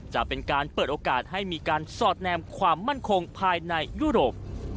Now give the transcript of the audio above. จะเป็นการเปิดโอกาสให้มีการสอดแนมความมั่นคงภายในยุโรป